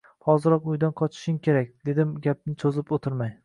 – Hoziroq uydan qochishing kerak! – dedim gapni cho‘zib o‘tirmay